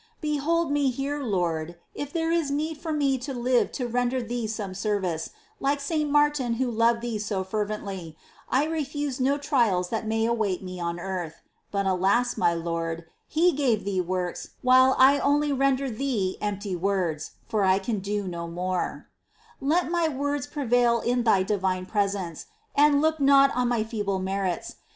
4. Behold me here. Lord ! if there is need for me to live to render Thee some service, like St. Martin who loved Thee so fervently,' I refuse no trials that may await me on earth.* But alas, my Lord, he gave Thee works, while I only render Thee empty words, for I can do no more, 5. Let my words prevail in Thy divine presence, and look not on my feeble merits.